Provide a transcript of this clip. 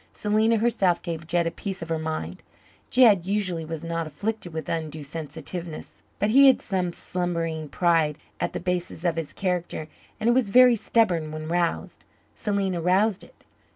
Selena herself gave Jed a piece of her mind. Jed usually was not afflicted with undue sensitiveness. But he had some slumbering pride at the basis of his character and it was very stubborn when roused. Selena roused it.